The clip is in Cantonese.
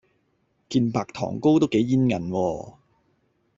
件白糖糕都幾煙韌喎